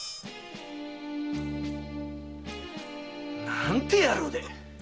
何て野郎だ！